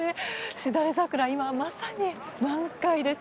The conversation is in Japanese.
しだれ桜、今まさに満開です。